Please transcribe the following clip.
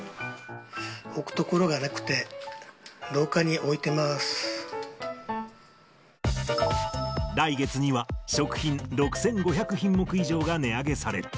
置く所がなくて、廊下に置い来月には、食品６５００品目以上が値上げされる。